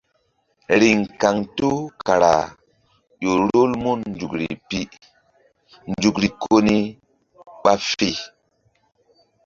Riŋ kaŋto kara ƴo rol mun nzukri pi nzukri ko ni ɓa fe.